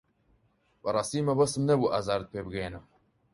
بەڕاستی مەبەستم نەبوو ئازارت پێ بگەیەنم.